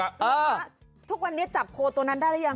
แล้วทุกวันนี้จับโคตัวนั้นได้หรือยัง